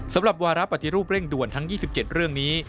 สำหรับวาระปฏิรูปเร่งด่วนทั้ง๒๗เรื่องนี้